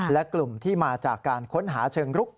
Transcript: และกลุ่มที่มาจากการค้นหาเชิงรุก